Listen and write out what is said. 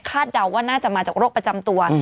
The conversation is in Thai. เดาว่าน่าจะมาจากโรคประจำตัว